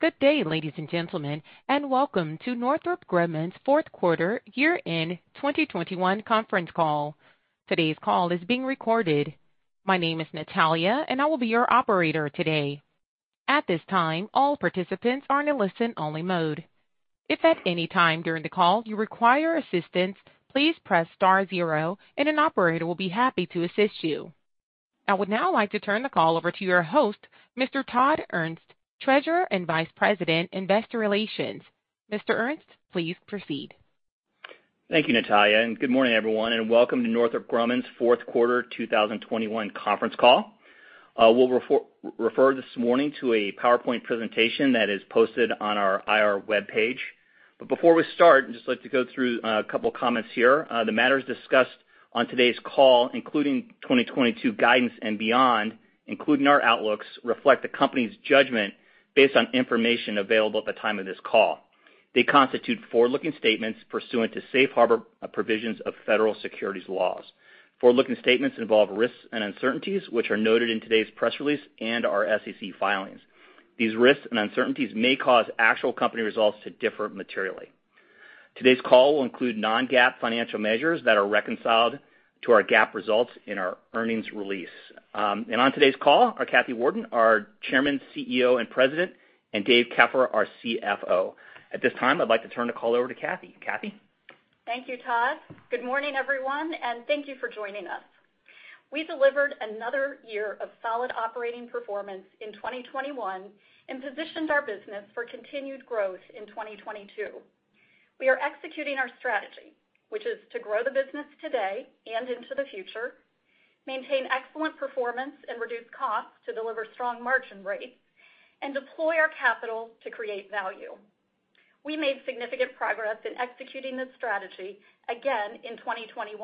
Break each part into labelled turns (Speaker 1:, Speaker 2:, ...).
Speaker 1: Good day, ladies and gentlemen, and welcome to Northrop Grumman's fourth quarter year-end 2021 conference call. Today's call is being recorded. My name is Natalia and I will be your operator today. At this time, all participants are in a listen-only mode. If at any time during the call you require assistance, please press star zero and an operator will be happy to assist you. I would now like to turn the call over to your host, Mr. Todd Ernst, Treasurer and Vice President, Investor Relations. Mr. Ernst, please proceed.
Speaker 2: Thank you, Natalia, and good morning, everyone, and welcome to Northrop Grumman's fourth quarter 2021 conference call. We'll refer this morning to a PowerPoint presentation that is posted on our IR webpage. Before we start, just like to go through a couple comments here. The matters discussed on today's call, including 2022 guidance and beyond, including our outlooks, reflect the company's judgment based on information available at the time of this call. They constitute forward-looking statements pursuant to safe harbor provisions of federal securities laws. Forward-looking statements involve risks and uncertainties, which are noted in today's press release and our SEC filings. These risks and uncertainties may cause actual company results to differ materially. Today's call will include non-GAAP financial measures that are reconciled to our GAAP results in our earnings release. On today's call are Kathy Warden, our Chairman, CEO, and President, and Dave Keffer, our CFO. At this time, I'd like to turn the call over to Kathy. Kathy?
Speaker 3: Thank you, Todd. Good morning, everyone, and thank you for joining us. We delivered another year of solid operating performance in 2021 and positioned our business for continued growth in 2022. We are executing our strategy, which is to grow the business today and into the future, maintain excellent performance and reduce costs to deliver strong margin rates, and deploy our capital to create value. We made significant progress in executing this strategy again in 2021.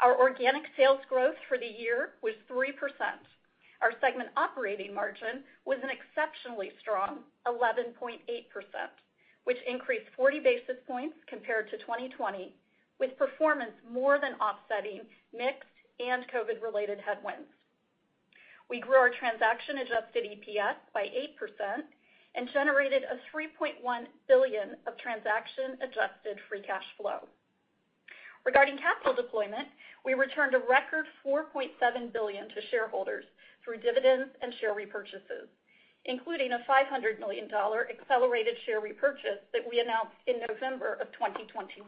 Speaker 3: Our organic sales growth for the year was 3%. Our segment operating margin was an exceptionally strong 11.8%, which increased 40 basis points compared to 2020, with performance more than offsetting mix and COVID-related headwinds. We grew our transaction-adjusted EPS by 8% and generated $3.1 billion of transaction-adjusted free cash flow. Regarding capital deployment, we returned a record $4.7 billion to shareholders through dividends and share repurchases, including a $500 million accelerated share repurchase that we announced in November 2021.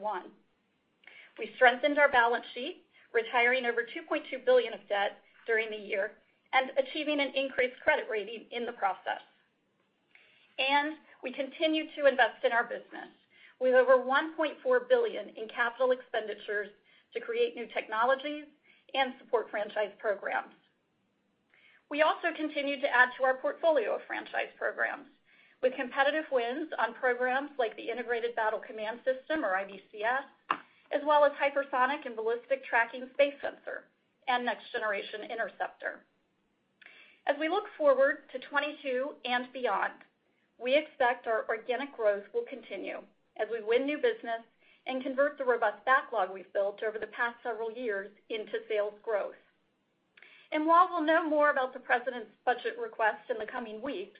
Speaker 3: We strengthened our balance sheet, retiring over $2.2 billion of debt during the year and achieving an increased credit rating in the process. We continued to invest in our business with over $1.4 billion in capital expenditures to create new technologies and support franchise programs. We also continued to add to our portfolio of franchise programs with competitive wins on programs like the Integrated Battle Command System, or IBCS, as well as Hypersonic and Ballistic Tracking Space Sensor and Next Generation Interceptor. As we look forward to 2022 and beyond, we expect our organic growth will continue as we win new business and convert the robust backlog we've built over the past several years into sales growth. While we'll know more about the President's budget request in the coming weeks,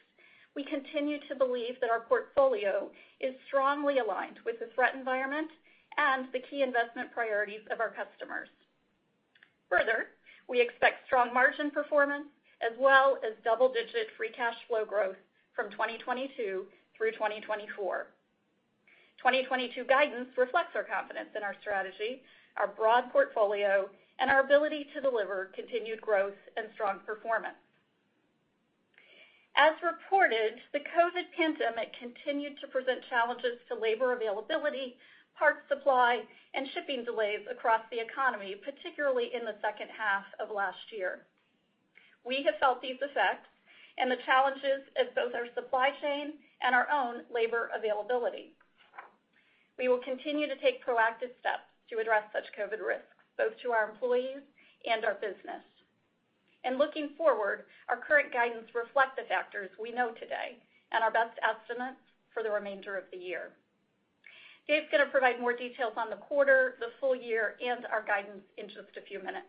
Speaker 3: we continue to believe that our portfolio is strongly aligned with the threat environment and the key investment priorities of our customers. Further, we expect strong margin performance as well as double-digit free cash flow growth from 2022 through 2024. 2022 guidance reflects our confidence in our strategy, our broad portfolio, and our ability to deliver continued growth and strong performance. As reported, the COVID pandemic continued to present challenges to labor availability, parts supply, and shipping delays across the economy, particularly in the second half of last year. We have felt these effects and the challenges of both our supply chain and our own labor availability. We will continue to take proactive steps to address such COVID risks, both to our employees and our business. Looking forward, our current guidance reflect the factors we know today and our best estimates for the remainder of the year. Dave's gonna provide more details on the quarter, the full year, and our guidance in just a few minutes.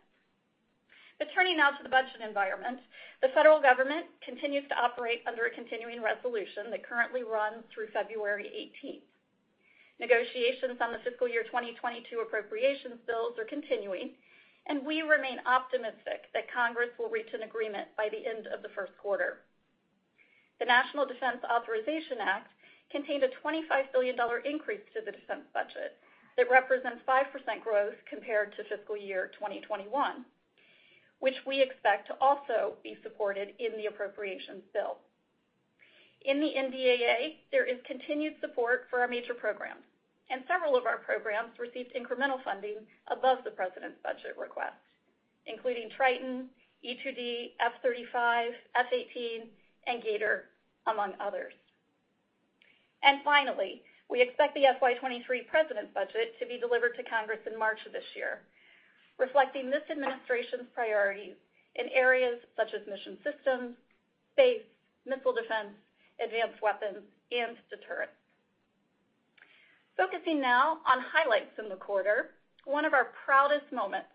Speaker 3: Turning now to the budget environment, the federal government continues to operate under a continuing resolution that currently runs through February eighteenth. Negotiations on the fiscal year 2022 appropriations bills are continuing, and we remain optimistic that Congress will reach an agreement by the end of the first quarter. The National Defense Authorization Act contained a $25 billion increase to the defense budget that represents 5% growth compared to fiscal year 2021, which we expect to also be supported in the appropriations bill. In the NDAA, there is continued support for our major programs, and several of our programs received incremental funding above the President's budget request, including Triton, E-2D, F-35, F/A-18, and G/ATOR, among others. Finally, we expect the FY 2023 President's Budget to be delivered to Congress in March of this year, reflecting this administration's priorities in areas such as Mission Systems, Space Systems, missile defense, advanced weapons, and deterrence. Focusing now on highlights in the quarter, one of our proudest moments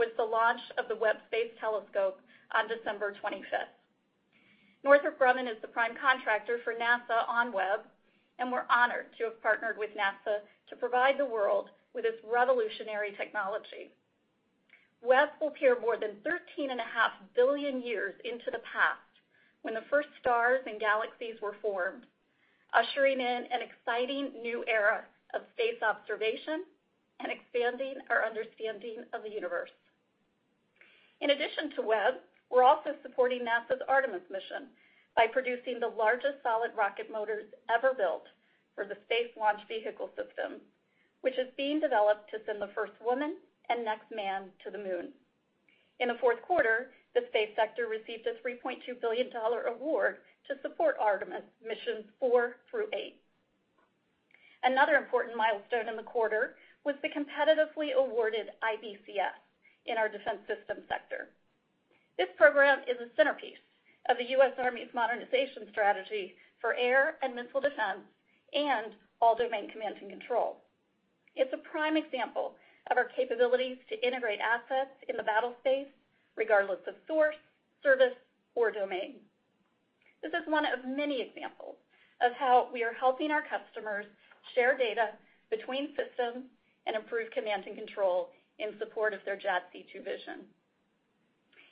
Speaker 3: was the launch of the James Webb Space Telescope on December 25. Northrop Grumman is the prime contractor for NASA on Webb, and we're honored to have partnered with NASA to provide the world with its revolutionary technology. Webb will peer more than 13.5 billion years into the past when the first stars and galaxies were formed, ushering in an exciting new era of space observation and expanding our understanding of the universe. In addition to Webb, we're also supporting NASA's Artemis mission by producing the largest solid rocket motors ever built for the Space Launch System, which is being developed to send the first woman and next man to the moon. In the fourth quarter, the Space Systems sector received a $3.2 billion award to support Artemis missions four through eight. Another important milestone in the quarter was the competitively awarded IBCS in our Defense Systems sector. This program is a centerpiece of the U.S. Army's modernization strategy for air and missile defense and all domain command and control. It's a prime example of our capabilities to integrate assets in the battle space, regardless of source, service, or domain. This is one of many examples of how we are helping our customers share data between systems and improve command and control in support of their JADC2 vision.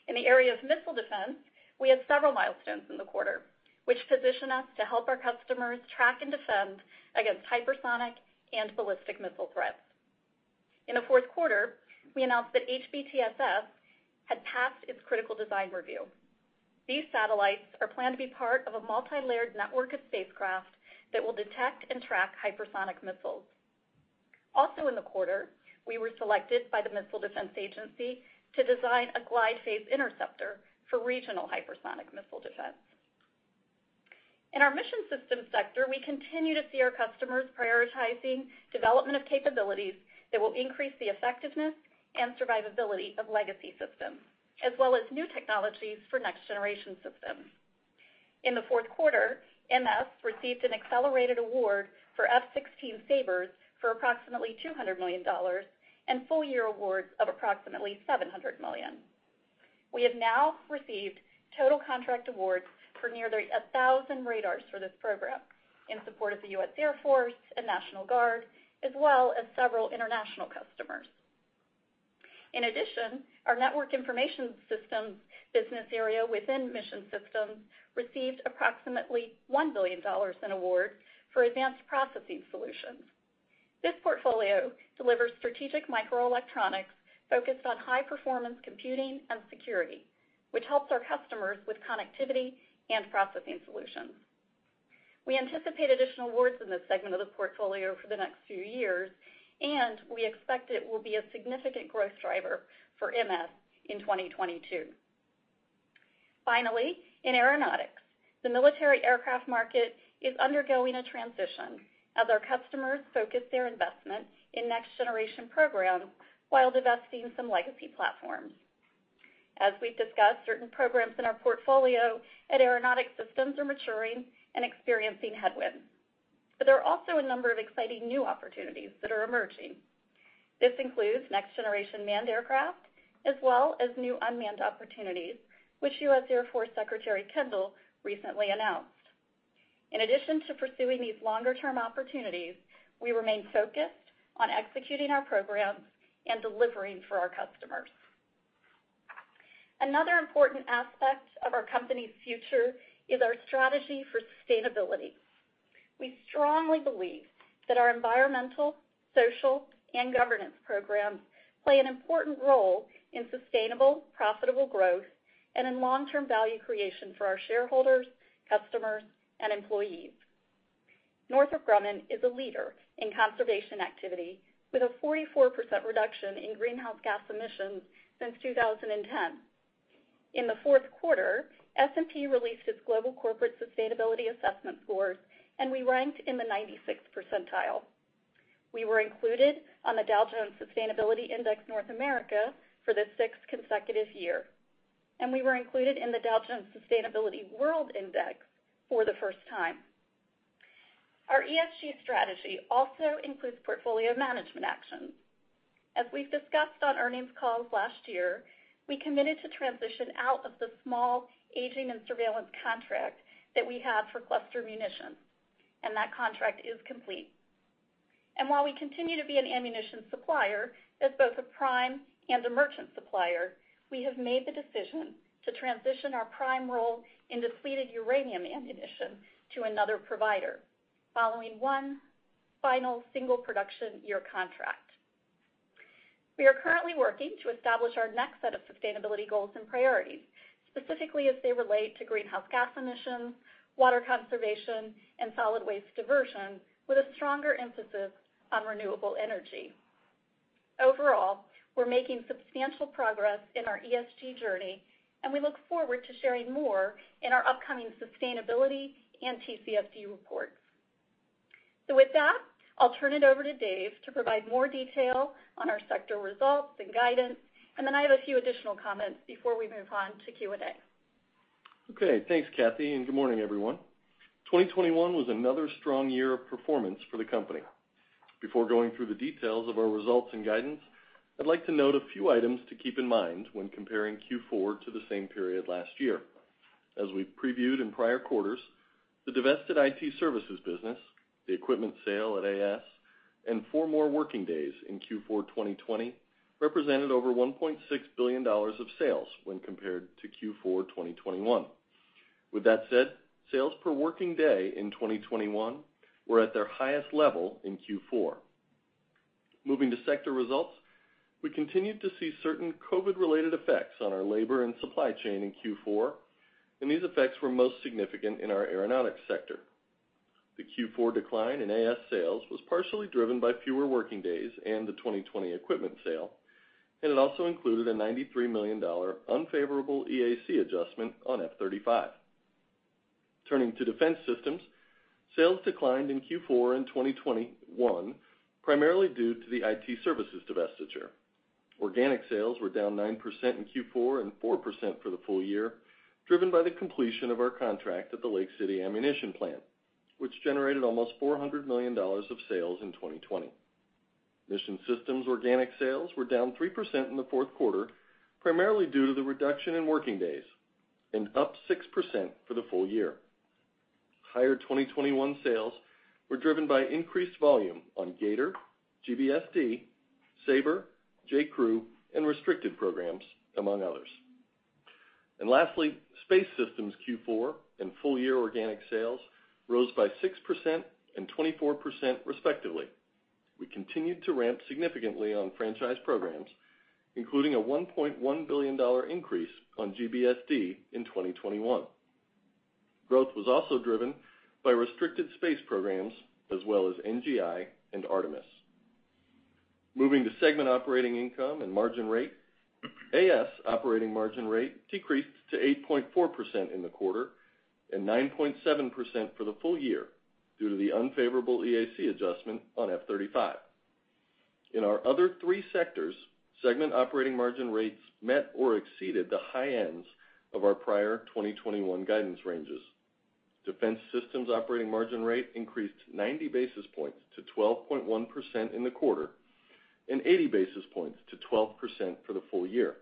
Speaker 3: In the area of missile defense, we had several milestones in the quarter which position us to help our customers track and defend against hypersonic and ballistic missile threats. In the fourth quarter, we announced that HBTSS had passed its critical design review. These satellites are planned to be part of a multi-layered network of spacecraft that will detect and track hypersonic missiles. Also in the quarter, we were selected by the Missile Defense Agency to design a Glide Phase Interceptor for regional hypersonic missile defense. In our Mission Systems sector, we continue to see our customers prioritizing development of capabilities that will increase the effectiveness and survivability of legacy systems, as well as new technologies for next-generation systems. In the fourth quarter, MS received an accelerated award for F-16 SABRs for approximately $200 million and full-year awards of approximately $700 million. We have now received total contract awards for nearly 1,000 radars for this program in support of the U.S. Air Force and National Guard, as well as several international customers. In addition, our network information systems business area within Mission Systems received approximately $1 billion in awards for advanced processing solutions. This portfolio delivers strategic microelectronics focused on high-performance computing and security, which helps our customers with connectivity and processing solutions. We anticipate additional awards in this segment of the portfolio for the next few years, and we expect it will be a significant growth driver for MS in 2022. Finally, in aeronautics, the military aircraft market is undergoing a transition as our customers focus their investment in next-generation programs while divesting some legacy platforms. As we've discussed, certain programs in our portfolio at Aeronautics Systems are maturing and experiencing headwinds, but there are also a number of exciting new opportunities that are emerging. This includes next-generation manned aircraft as well as new unmanned opportunities, which U.S. Air Force Secretary Kendall recently announced. In addition to pursuing these longer-term opportunities, we remain focused on executing our programs and delivering for our customers. Another important aspect of our company's future is our strategy for sustainability. We strongly believe that our environmental, social, and governance programs play an important role in sustainable, profitable growth and in long-term value creation for our shareholders, customers, and employees. Northrop Grumman is a leader in conservation activity, with a 44% reduction in greenhouse gas emissions since 2010. In the fourth quarter, S&P released its global corporate sustainability assessment scores, and we ranked in the 96th percentile. We were included on the Dow Jones Sustainability North America Index for the sixth consecutive year, and we were included in the Dow Jones Sustainability World Index for the first time. Our ESG strategy also includes portfolio management actions. As we've discussed on earnings calls last year, we committed to transition out of the small aging and surveillance contract that we had for cluster munitions, and that contract is complete. While we continue to be an ammunition supplier as both a prime and a merchant supplier, we have made the decision to transition our prime role in depleted uranium ammunition to another provider following one final single production year contract. We are currently working to establish our next set of sustainability goals and priorities, specifically as they relate to greenhouse gas emissions, water conservation, and solid waste diversion, with a stronger emphasis on renewable energy. Overall, we're making substantial progress in our ESG journey, and we look forward to sharing more in our upcoming sustainability and TCFD reports. With that, I'll turn it over to Dave to provide more detail on our sector results and guidance, and then I have a few additional comments before we move on to Q&A.
Speaker 4: Okay. Thanks, Kathy, and good morning, everyone. 2021 was another strong year of performance for the company. Before going through the details of our results and guidance, I'd like to note a few items to keep in mind when comparing Q4 to the same period last year. As we previewed in prior quarters, the divested IT services business, the equipment sale at AS, and four more working days in Q4 2020 represented over $1.6 billion of sales when compared to Q4 2021. With that said, sales per working day in 2021 were at their highest level in Q4. Moving to sector results, we continued to see certain COVID-related effects on our labor and supply chain in Q4, and these effects were most significant in our Aeronautics sector. The Q4 decline in AS sales was partially driven by fewer working days and the 2020 equipment sale, and it also included a $93 million unfavorable EAC adjustment on F-35. Turning to Defense Systems, sales declined in Q4 in 2021, primarily due to the IT services divestiture. Organic sales were down 9% in Q4 and 4% for the full year, driven by the completion of our contract at the Lake City Ammunition Plant, which generated almost $400 million of sales in 2020. Mission Systems organic sales were down 3% in the fourth quarter, primarily due to the reduction in working days, and up 6% for the full year. Higher 2021 sales were driven by increased volume on G/ATOR, GBSD, SABR, JCREW, and restricted programs, among others. Lastly, Space Systems Q4 and full year organic sales rose by 6% and 24%, respectively. We continued to ramp significantly on franchise programs, including a $1.1 billion dollar increase on GBSD in 2021. Growth was also driven by restricted space programs as well as NGI and Artemis. Moving to segment operating income and margin rate, AS operating margin rate decreased to 8.4% in the quarter and 9.7% for the full year due to the unfavorable EAC adjustment on F-35. In our other three sectors, segment operating margin rates met or exceeded the high ends of our prior 2021 guidance ranges. Defense Systems operating margin rate increased 90 basis points to 12.1% in the quarter and 80 basis points to 12% for the full year.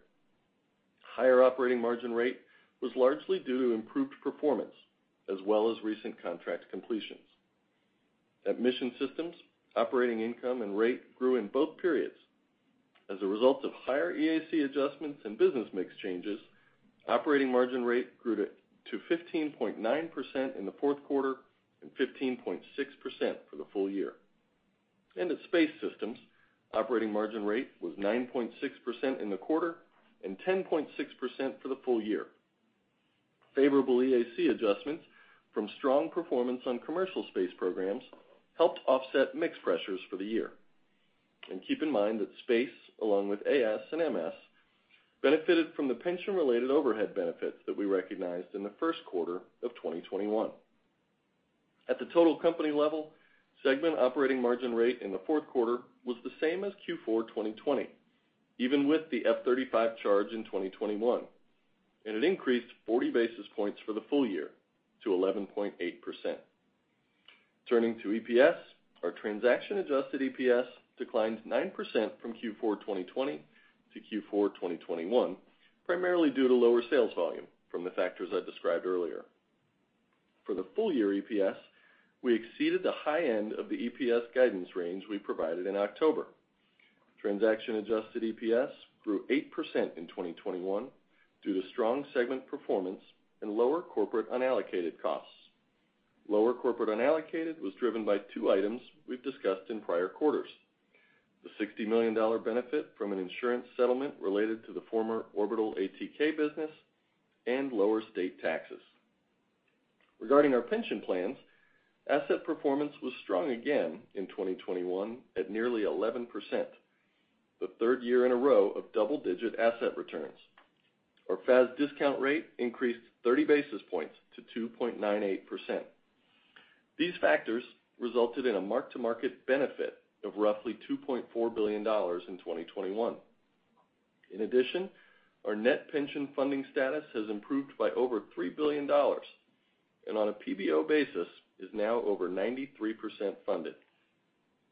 Speaker 4: Higher operating margin rate was largely due to improved performance as well as recent contract completions. At Mission Systems, operating income and rate grew in both periods. As a result of higher EAC adjustments and business mix changes, operating margin rate grew to 15.9% in the fourth quarter and 15.6% for the full year. At Space Systems, operating margin rate was 9.6% in the quarter and 10.6% for the full year. Favorable EAC adjustments from strong performance on commercial space programs helped offset mix pressures for the year. Keep in mind that Space, along with AS and MS, benefited from the pension-related overhead benefits that we recognized in the first quarter of 2021. At the total company level, segment operating margin rate in the fourth quarter was the same as Q4 2020, even with the F-35 charge in 2021, and it increased 40 basis points for the full year to 11.8%. Turning to EPS, our transaction-adjusted EPS declined 9% from Q4 2020 to Q4 2021, primarily due to lower sales volume from the factors I described earlier. For the full-year EPS, we exceeded the high end of the EPS guidance range we provided in October. Transaction-adjusted EPS grew 8% in 2021 due to strong segment performance and lower corporate unallocated costs. Lower corporate unallocated was driven by two items we've discussed in prior quarters: the $60 million benefit from an insurance settlement related to the former Orbital ATK business and lower state taxes. Regarding our pension plans, asset performance was strong again in 2021 at nearly 11%, the third year in a row of double-digit asset returns. Our FAS discount rate increased 30 basis points to 2.98%. These factors resulted in a mark-to-market benefit of roughly $2.4 billion in 2021. In addition, our net pension funding status has improved by over $3 billion and on a PBO basis is now over 93% funded.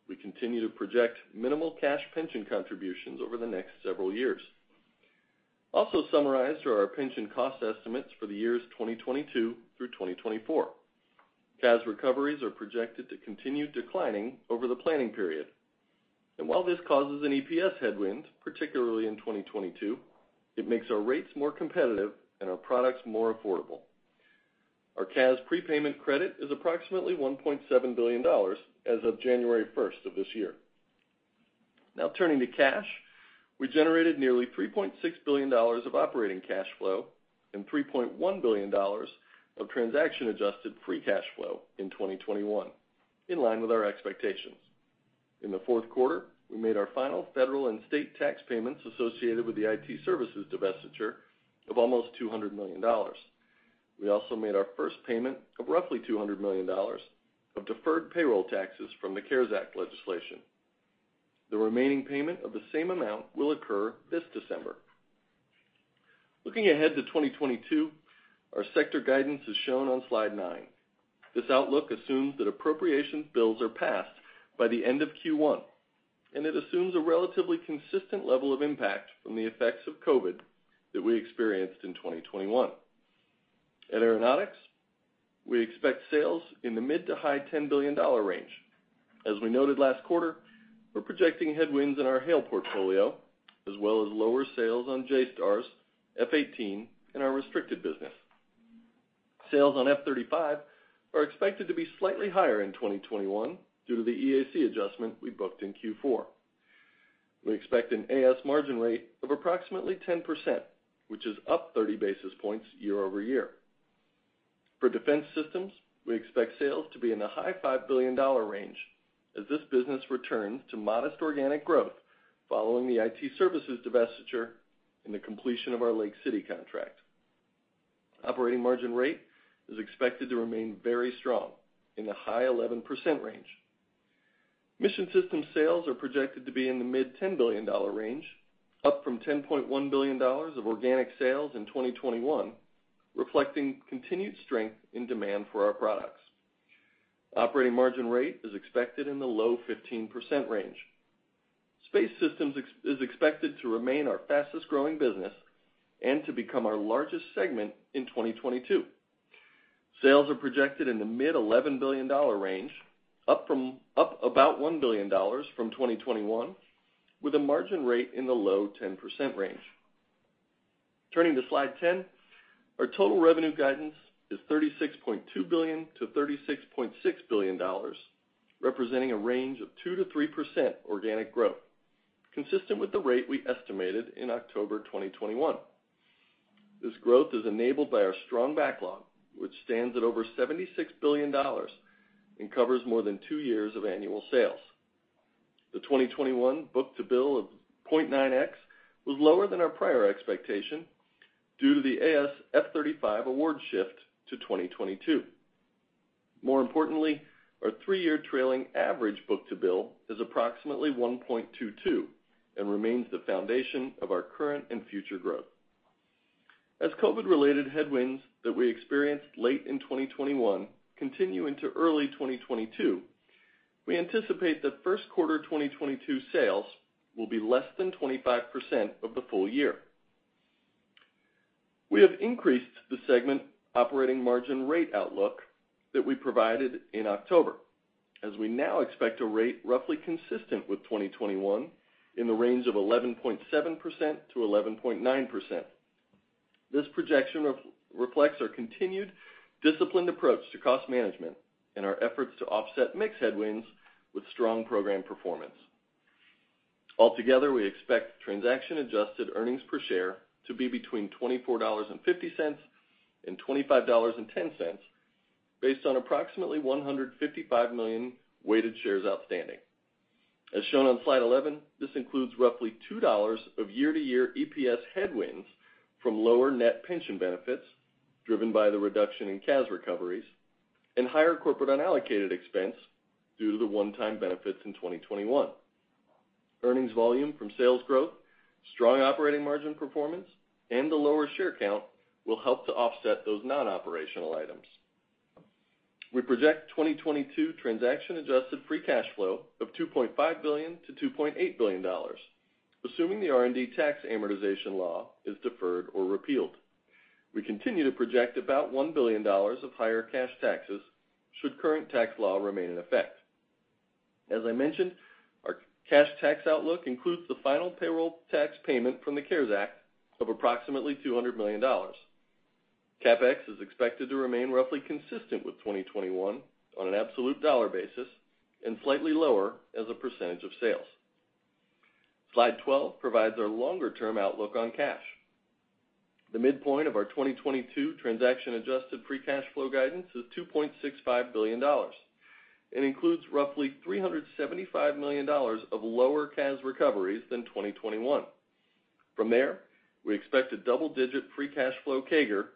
Speaker 4: We continue to project minimal cash pension contributions over the next several years. Also summarized are our pension cost estimates for the years 2022 through 2024. CAS recoveries are projected to continue declining over the planning period. While this causes an EPS headwind, particularly in 2022, it makes our rates more competitive and our products more affordable. Our CAS prepayment credit is approximately $1.7 billion as of January 1 of this year. Now turning to cash, we generated nearly $3.6 billion of operating cash flow and $3.1 billion of transaction-adjusted free cash flow in 2021, in line with our expectations. In the fourth quarter, we made our final federal and state tax payments associated with the IT services divestiture of almost $200 million. We also made our first payment of roughly $200 million of deferred payroll taxes from the CARES Act legislation. The remaining payment of the same amount will occur this December. Looking ahead to 2022, our sector guidance is shown on slide nine. This outlook assumes that appropriation bills are passed by the end of Q1, and it assumes a relatively consistent level of impact from the effects of COVID that we experienced in 2021. At Aeronautics, we expect sales in the mid- to high-$10 billion range. As we noted last quarter, we're projecting headwinds in our HALE portfolio, as well as lower sales on JSTARS, F-18, and our restricted business. Sales on F-35 are expected to be slightly higher in 2021 due to the EAC adjustment we booked in Q4. We expect an AS margin rate of approximately 10%, which is up 30 basis points year-over-year. For Defense Systems, we expect sales to be in the high-$5 billion range as this business returns to modest organic growth following the IT services divestiture and the completion of our Lake City contract. Operating margin rate is expected to remain very strong in the high 11% range. Mission Systems sales are projected to be in the mid $10 billion range, up from $10.1 billion of organic sales in 2021, reflecting continued strength in demand for our products. Operating margin rate is expected in the low 15% range. Space Systems is expected to remain our fastest-growing business and to become our largest segment in 2022. Sales are projected in the mid $11 billion range, up about $1 billion from 2021, with a margin rate in the low 10% range. Turning to slide 10, our total revenue guidance is $36.2 billion-$36.6 billion, representing a range of 2%-3% organic growth, consistent with the rate we estimated in October 2021. This growth is enabled by our strong backlog, which stands at over $76 billion and covers more than two years of annual sales. The 2021 book-to-bill of 0.9x was lower than our prior expectation due to the F-35 award shift to 2022. More importantly, our three-year trailing average book-to-bill is approximately 1.22 and remains the foundation of our current and future growth. As COVID-related headwinds that we experienced late in 2021 continue into early 2022, we anticipate that first quarter 2022 sales will be less than 25% of the full year. We have increased the segment operating margin rate outlook that we provided in October, as we now expect a rate roughly consistent with 2021 in the range of 11.7%-11.9%. This projection reflects our continued disciplined approach to cost management and efforts to offset mix headwinds with strong program performance. Altogether, we expect transaction-adjusted earnings per share to be between $24.50 and $25.10 based on approximately 155 million weighted shares outstanding. As shown on slide 11, this includes roughly $2 of year-to-year EPS headwinds from lower net pension benefits, driven by the reduction in CAS recoveries, and higher corporate unallocated expense due to the one-time benefits in 2021. Earnings volume from sales growth, strong operating margin performance, and the lower share count will help to offset those non-operational items. We project 2022 transaction-adjusted free cash flow of $2.5 billion-$2.8 billion, assuming the R&D tax amortization law is deferred or repealed. We continue to project about $1 billion of higher cash taxes should current tax law remain in effect. As I mentioned, our cash tax outlook includes the final payroll tax payment from the CARES Act of approximately $200 million. CapEx is expected to remain roughly consistent with 2021 on an absolute dollar basis and slightly lower as a percentage of sales. Slide 12 provides our longer-term outlook on cash. The midpoint of our 2022 transaction-adjusted free cash flow guidance is $2.65 billion and includes roughly $375 million of lower CAS recoveries than 2021. From there, we expect a double-digit free cash flow CAGR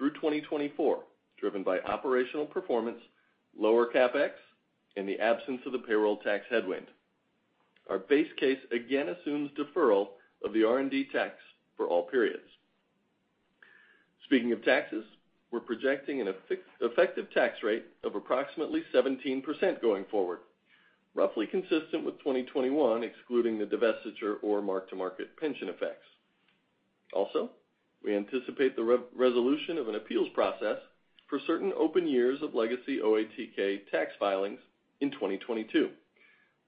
Speaker 4: through 2024, driven by operational performance, lower CapEx, and the absence of the payroll tax headwind. Our base case again assumes deferral of the R&D tax for all periods. Speaking of taxes, we're projecting an effective tax rate of approximately 17% going forward, roughly consistent with 2021, excluding the divestiture or mark-to-market pension effects. Also, we anticipate the re-resolution of an appeals process for certain open years of legacy OATK tax filings in 2022.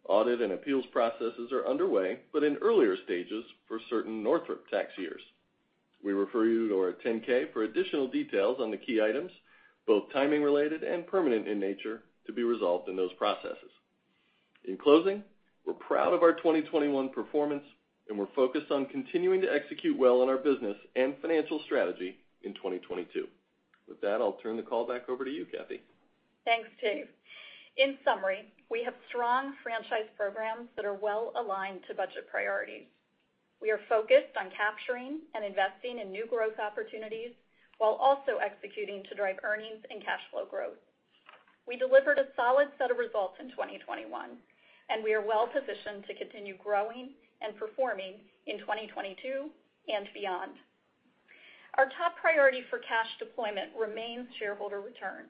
Speaker 4: Audit and appeals processes are underway but in earlier stages for certain Northrop tax years. We refer you to our 10-K for additional details on the key items, both timing related and permanent in nature, to be resolved in those processes. In closing, we're proud of our 2021 performance, and we're focused on continuing to execute well in our business and financial strategy in 2022. With that, I'll turn the call back over to you, Kathy.
Speaker 3: Thanks, Dave. In summary, we have strong franchise programs that are well-aligned to budget priorities. We are focused on capturing and investing in new growth opportunities while also executing to drive earnings and cash flow growth. We delivered a solid set of results in 2021, and we are well positioned to continue growing and performing in 2022 and beyond. Our top priority for cash deployment remains shareholder return,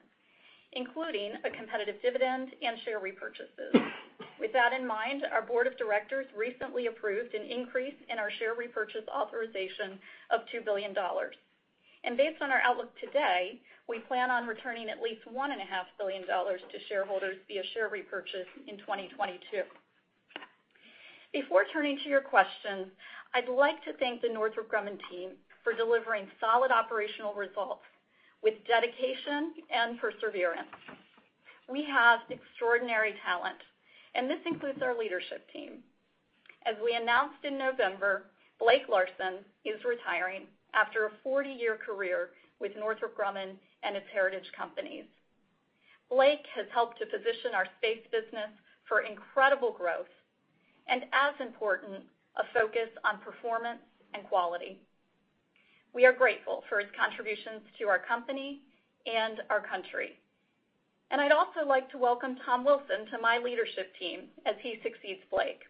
Speaker 3: including a competitive dividend and share repurchases. With that in mind, our board of directors recently approved an increase in our share repurchase authorization of $2 billion. Based on our outlook today, we plan on returning at least $1.5 billion to shareholders via share repurchase in 2022. Before turning to your questions, I'd like to thank the Northrop Grumman team for delivering solid operational results with dedication and perseverance. We have extraordinary talent, and this includes our leadership team. As we announced in November, Blake Larson is retiring after a 40-year career with Northrop Grumman and its heritage companies. Blake has helped to position our space business for incredible growth and, as important, a focus on performance and quality. We are grateful for his contributions to our company and our country. I'd also like to welcome Tom Wilson to my leadership team as he succeeds Blake.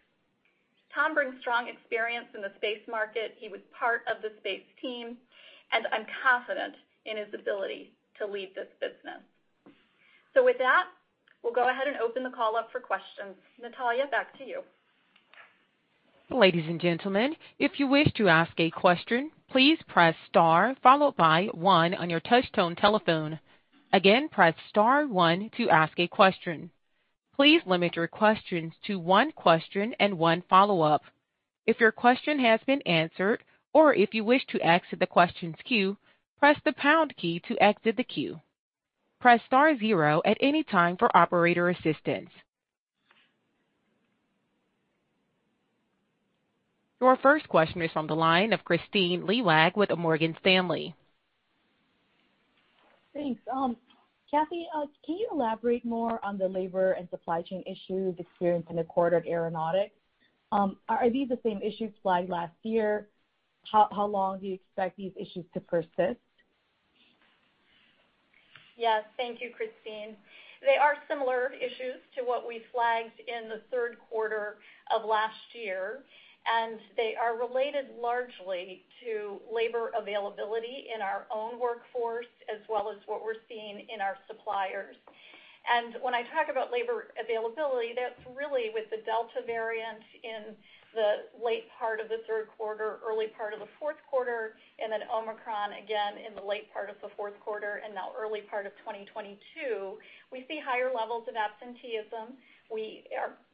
Speaker 3: Tom brings strong experience in the space market. He was part of the space team, and I'm confident in his ability to lead this business. With that, we'll go ahead and open the call up for questions. Natalia, back to you.
Speaker 1: Ladies and gentlemen, if you wish to ask a question, please press star followed by one on your touchtone telephone. Again, press star one to ask a question. Please limit your questions to one question and one follow-up. If your question has been answered or if you wish to exit the questions queue, press the pound key to exit the queue. Press star zero at any time for operator assistance. Your first question is on the line of Kristine Liwag with Morgan Stanley.
Speaker 5: Thanks. Kathy, can you elaborate more on the labor and supply chain issues experienced in the quarter at Aeronautics? Are these the same issues flagged last year? How long do you expect these issues to persist?
Speaker 3: Yes. Thank you, Kristine. They are similar issues to what we flagged in the third quarter of last year, and they are related largely to labor availability in our own workforce as well as what we're seeing in our suppliers. When I talk about labor availability, that's really with the Delta variant in the late part of the third quarter, early part of the fourth quarter, and then Omicron again in the late part of the fourth quarter and now early part of 2022. We see higher levels of absenteeism.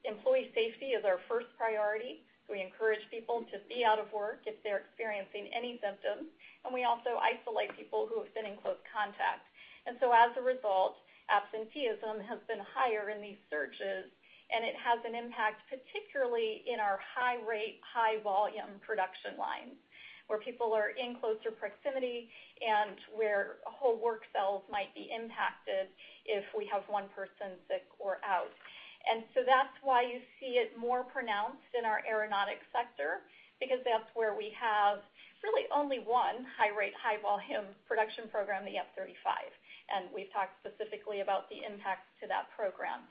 Speaker 3: Employee safety is our first priority. We encourage people to be out of work if they're experiencing any symptoms, and we also isolate people who have been in close contact. As a result, absenteeism has been higher in these surges, and it has an impact, particularly in our high rate, high volume production lines, where people are in closer proximity and where whole work cells might be impacted if we have one person sick or out. That's why you see it more pronounced in our Aeronautics sector because that's where we have really only one high rate, high volume production program, the F-35, and we've talked specifically about the impact to that program.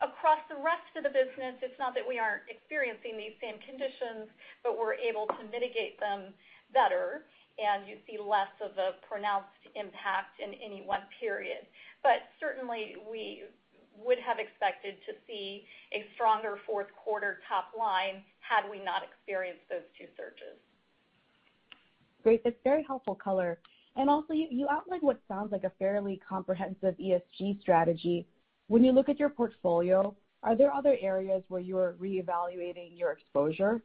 Speaker 3: Across the rest of the business, it's not that we aren't experiencing these same conditions, but we're able to mitigate them better, and you see less of a pronounced impact in any one period. Certainly, we would have expected to see a stronger fourth quarter top line had we not experienced those two surges.
Speaker 5: Great. That's very helpful color. You outlined what sounds like a fairly comprehensive ESG strategy. When you look at your portfolio, are there other areas where you're reevaluating your exposure?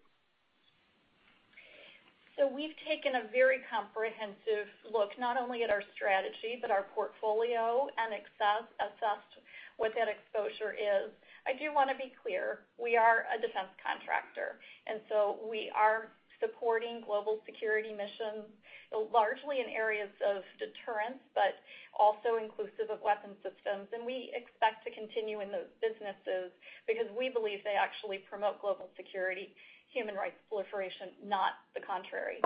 Speaker 3: We've taken a very comprehensive look not only at our strategy but our portfolio and assessed what that exposure is. I do wanna be clear, we are a defense contractor, and so we are supporting global security missions largely in areas of deterrence, but also inclusive of weapon systems. We expect to continue in those businesses because we believe they actually promote global security and nonproliferation, not the contrary.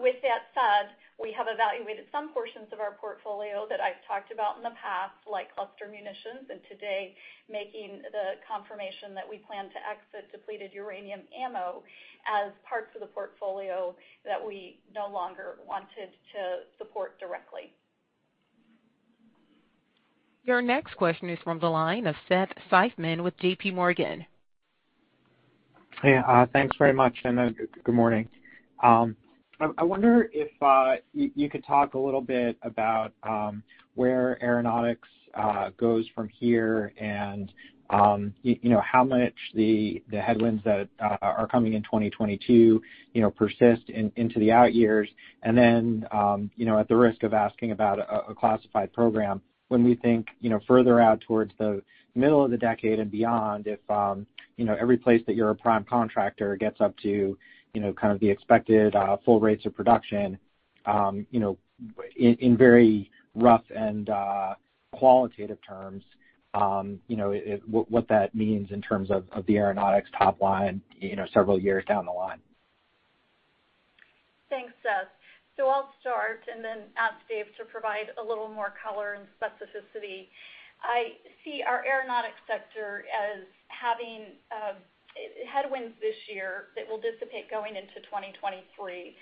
Speaker 3: With that said, we have evaluated some portions of our portfolio that I've talked about in the past, like cluster munitions, and today making the confirmation that we plan to exit depleted uranium ammo as parts of the portfolio that we no longer wanted to support directly.
Speaker 1: Your next question is from the line of Seth Seifman with JP Morgan.
Speaker 6: Yeah. Thanks very much, and good morning. I wonder if you could talk a little bit about where Aeronautics goes from here and you know, how much the headwinds that are coming in 2022, you know, persist into the out years. You know, at the risk of asking about a classified program, when we think further out towards the middle of the decade and beyond, if you know, every place that you're a prime contractor gets up to you know, kind of the expected full rates of production, you know, in very rough and qualitative terms, you know, what that means in terms of the Aeronautics top line, you know, several years down the line.
Speaker 3: Ask Dave to provide a little more color and specificity. I see our Aeronautics sector as having headwinds this year that will dissipate going into 2023.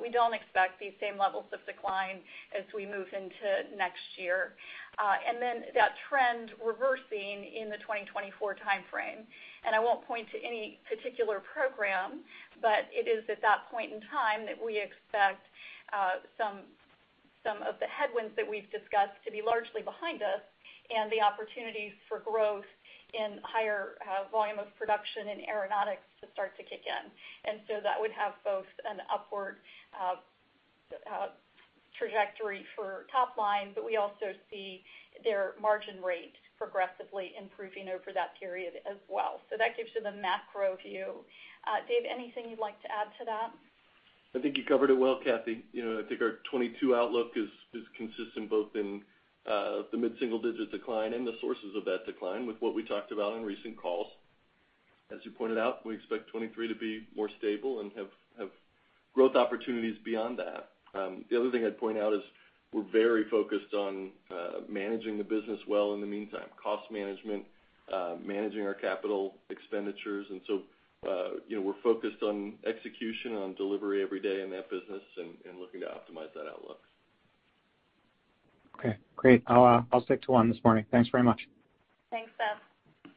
Speaker 3: We don't expect these same levels of decline as we move into next year, that trend reversing in the 2024 timeframe. I won't point to any particular program, but it is at that point in time that we expect some of the headwinds that we've discussed to be largely behind us and the opportunities for growth in higher volume of production in Aeronautics to start to kick in. That would have both an upward trajectory for top line, but we also see their margin rates progressively improving over that period as well. That gives you the macro view. Dave, anything you'd like to add to that?
Speaker 4: I think you covered it well, Kathy. You know, I think our 2022 outlook is consistent both in the mid-single-digit decline and the sources of that decline with what we talked about in recent calls. As you pointed out, we expect 2023 to be more stable and have growth opportunities beyond that. The other thing I'd point out is we're very focused on managing the business well in the meantime. Cost management, managing our capital expenditures. You know, we're focused on execution, on delivery every day in that business and looking to optimize that outlook.
Speaker 6: Okay, great. I'll stick to one this morning. Thanks very much.
Speaker 3: Thanks, Seth.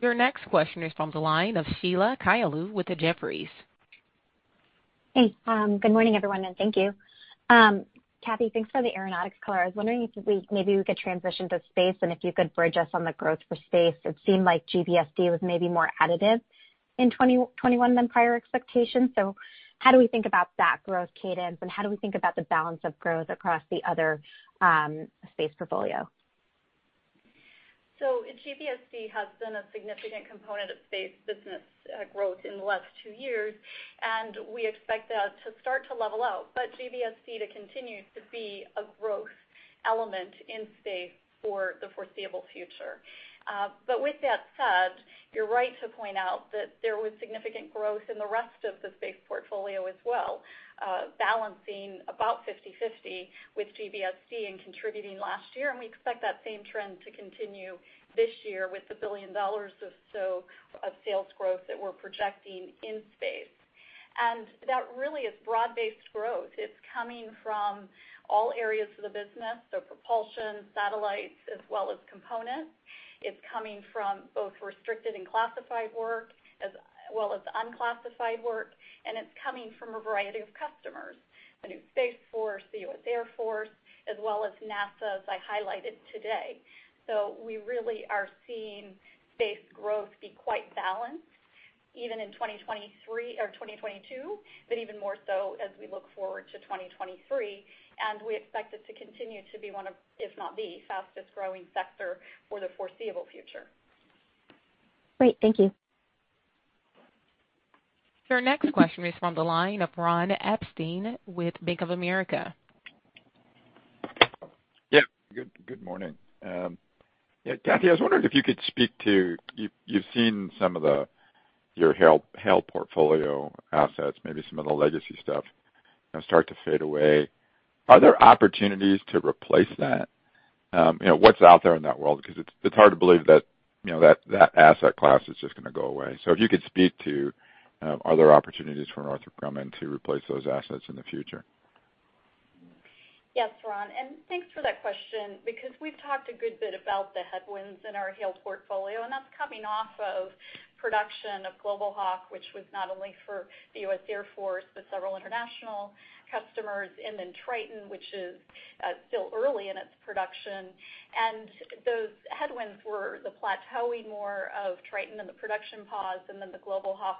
Speaker 1: Your next question is from the line of Sheila Kahyaoglu with Jefferies.
Speaker 7: Hey, good morning, everyone, and thank you. Kathy, thanks for the Aeronautics color. I was wondering if we, maybe we could transition to Space and if you could bridge us on the growth for Space. It seemed like GBSD was maybe more additive in 2021 than prior expectations. How do we think about that growth cadence, and how do we think about the balance of growth across the other Space portfolio?
Speaker 3: GBSD has been a significant component of space business, growth in the last two years, and we expect that to start to level out but GBSD to continue to be a growth element in space for the foreseeable future. With that said, you're right to point out that there was significant growth in the rest of the space portfolio as well, balancing about 50/50 with GBSD and contributing last year. We expect that same trend to continue this year with $1 billion or so of sales growth that we're projecting in space. That really is broad-based growth. It's coming from all areas of the business, so propulsion, satellites, as well as components. It's coming from both restricted and classified work as well as unclassified work, and it's coming from a variety of customers, the new Space Force, the U.S. Air Force, as well as NASA, as I highlighted today. We really are seeing space growth be quite balanced even in 2023 or 2022, but even more so as we look forward to 2023, and we expect it to continue to be one of, if not the fastest growing sector for the foreseeable future.
Speaker 7: Great. Thank you.
Speaker 1: Your next question is from the line of Ron Epstein with Bank of America.
Speaker 8: Yeah. Good morning. Yeah, Kathy, I was wondering if you could speak to you've seen some of the your HALE portfolio assets, maybe some of the legacy stuff, you know, start to fade away. Are there opportunities to replace that? You know, what's out there in that world? 'Cause it's hard to believe that, you know, that asset class is just gonna go away. If you could speak to are there opportunities for Northrop Grumman to replace those assets in the future?
Speaker 3: Yes, Ron, thanks for that question because we've talked a good bit about the headwinds in our HALE portfolio, and that's coming off of production of Global Hawk, which was not only for the U.S. Air Force, but several international customers. Triton, which is still early in its production. Those headwinds were the plateauing more of Triton and the production pause and then the Global Hawk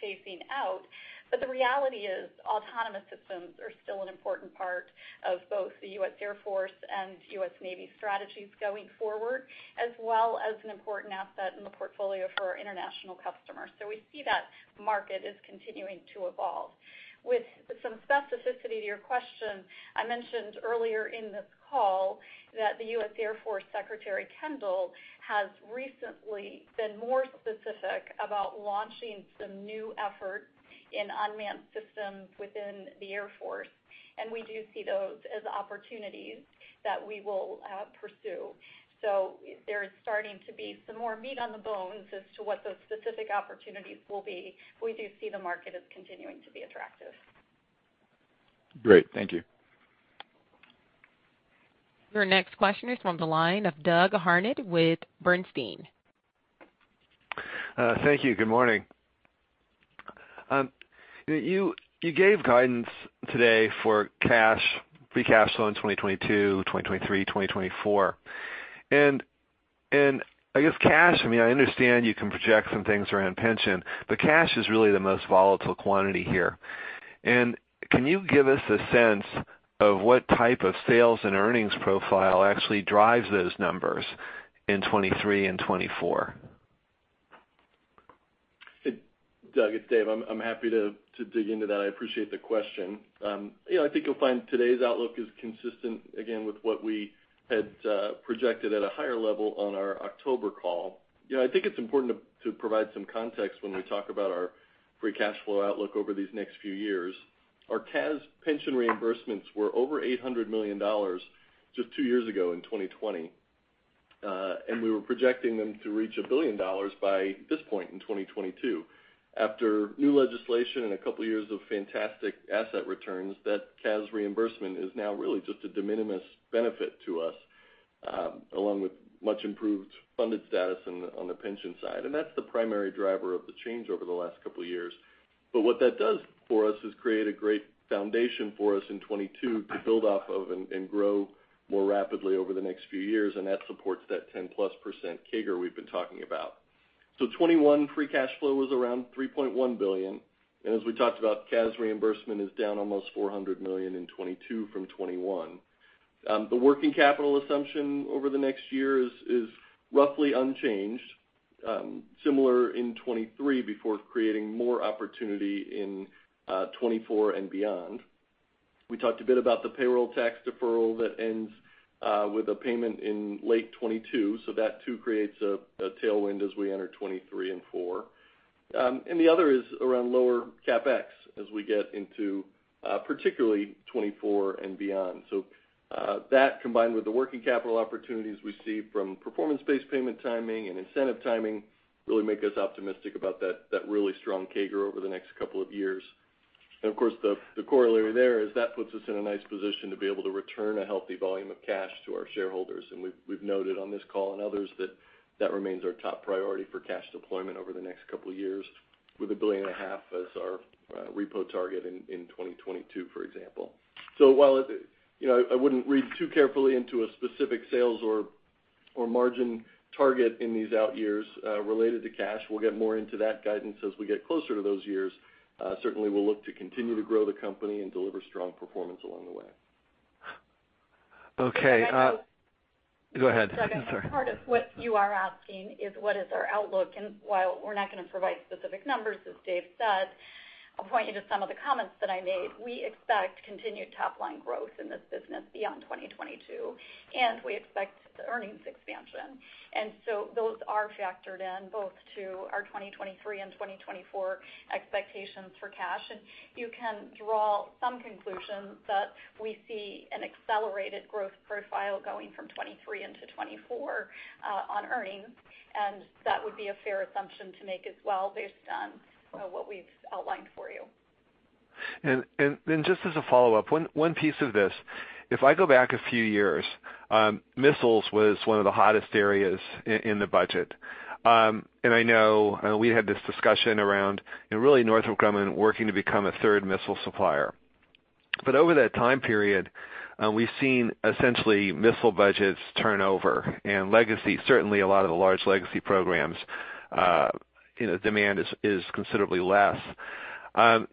Speaker 3: phasing out. The reality is, autonomous systems are still an important part of both the U.S. Air Force and U.S. Navy strategies going forward, as well as an important asset in the portfolio for our international customers. We see that market is continuing to evolve. With some specificity to your question, I mentioned earlier in the call that the US Air Force Secretary Kendall has recently been more specific about launching some new efforts in unmanned systems within the Air Force, and we do see those as opportunities that we will pursue. There's starting to be some more meat on the bones as to what those specific opportunities will be. We do see the market as continuing to be attractive.
Speaker 8: Great. Thank you.
Speaker 1: Your next question is from the line of Doug Harned with Bernstein.
Speaker 9: Thank you. Good morning. You gave guidance today for cash free cash flow in 2022, 2023, 2024. I guess cash, I mean, I understand you can project some things around pension, but cash is really the most volatile quantity here. Can you give us a sense of what type of sales and earnings profile actually drives those numbers in 2023 and 2024?
Speaker 4: Doug, it's Dave. I'm happy to dig into that. I appreciate the question. You know, I think you'll find today's outlook is consistent again with what we had projected at a higher level on our October call. You know, I think it's important to provide some context when we talk about free cash flow outlook over these next few years. Our CAS pension reimbursements were over $800 million just two years ago in 2020, and we were projecting them to reach $1 billion by this point in 2022. After new legislation and a couple years of fantastic asset returns, that CAS reimbursement is now really just a de minimis benefit to us, along with much improved funded status on the pension side. That's the primary driver of the change over the last couple years. What that does for us is create a great foundation for us in 2022 to build off of and grow more rapidly over the next few years, and that supports that 10%+ CAGR we've been talking about. 2021, free cash flow was around $3.1 billion. As we talked about, CAS reimbursement is down almost $400 million in 2022 from 2021. The working capital assumption over the next year is roughly unchanged, similar in 2023 before creating more opportunity in 2024 and beyond. We talked a bit about the payroll tax deferral that ends with a payment in late 2022, so that too creates a tailwind as we enter 2023 and 2024. The other is around lower CapEx as we get into particularly 2024 and beyond. That combined with the working capital opportunities we see from performance-based payment timing and incentive timing really make us optimistic about that really strong CAGR over the next couple of years. Of course, the corollary there is that puts us in a nice position to be able to return a healthy volume of cash to our shareholders. We've noted on this call and others that that remains our top priority for cash deployment over the next couple of years with $1.5 billion as our repo target in 2022, for example. While, you know, I wouldn't read too carefully into a specific sales or margin target in these out years related to cash, we'll get more into that guidance as we get closer to those years. Certainly we'll look to continue to grow the company and deliver strong performance along the way. Okay.
Speaker 3: I think.
Speaker 9: Go ahead. Sorry.
Speaker 3: Doug, part of what you are asking is what is our outlook, and while we're not gonna provide specific numbers, as Dave said, I'll point you to some of the comments that I made. We expect continued top-line growth in this business beyond 2022, and we expect earnings expansion. Those are factored in both to our 2023 and 2024 expectations for cash. You can draw some conclusions that we see an accelerated growth profile going from 2023 into 2024 on earnings, and that would be a fair assumption to make as well based on, you know, what we've outlined for you.
Speaker 9: Then just as a follow-up, one piece of this, if I go back a few years, missiles was one of the hottest areas in the budget. I know we had this discussion around and really Northrop Grumman working to become a third missile supplier. Over that time period, we've seen essentially missile budgets turn over and legacy, certainly a lot of the large legacy programs, you know, demand is considerably less.